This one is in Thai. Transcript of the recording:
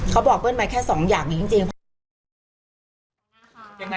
เขาบอกเบิ้ลมาแค่สองอย่างจริง